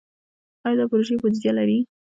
آیا دا پروژې بودیجه لري؟